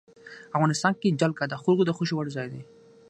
افغانستان کې جلګه د خلکو د خوښې وړ ځای دی.